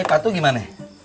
ini patu gimana